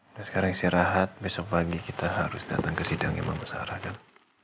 kita sekarang istirahat besok pagi kita harus datang ke sidang yang membesarkan